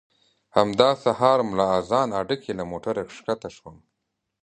همدا سهار ملا اذان اډه کې له موټره ښکته شوم.